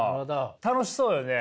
楽しそうよね。